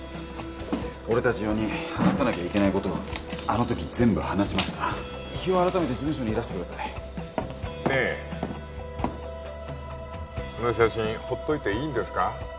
俺達４人話さなきゃいけないことはあのとき全部話しました日を改めて事務所にいらしてくださいねえこの写真ほっといていいんですか？